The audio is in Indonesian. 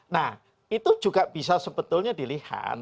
nah itu juga bisa sebetulnya dilihat